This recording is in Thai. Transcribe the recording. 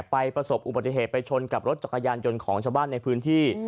ประสบอุบัติเหตุไปชนกับรถจักรยานยนต์ของชาวบ้านในพื้นที่